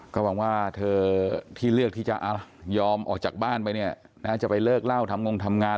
ก็หวังว่าเธอที่เลือกที่จะยอมออกจากบ้านไปเนี่ยจะไปเลิกเล่าทำงงทำงาน